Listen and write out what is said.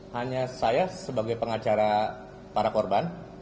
hanya saya sebagai pengacara para korban